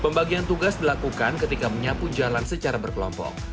pembagian tugas dilakukan ketika menyapu jalan secara berkelompok